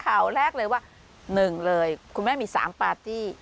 ข่าวแรกเลยว่า๑เลยคุณแม่มี๓ปาร์ตี้